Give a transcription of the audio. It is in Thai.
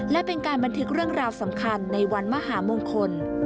และเป็นการบันทึกเรื่องราวสำคัญในวันมหามงคล